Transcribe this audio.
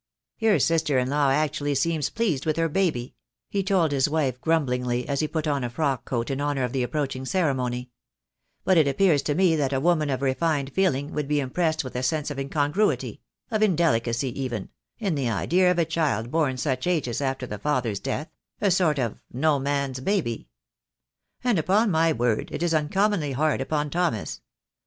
"Your sister in law actually seems pleased with her baby," he told his wife, grumblingly, as he put on a frock coat in honour of the approaching ceremony; "but it appears to me that a woman of refined feeling would be impressed with a sense of incongruity — of indelicacy even — in the idea of a child born such ages after the father's death — a sort of no man's baby. And upon my word it is uncommonly hard upon Thomas.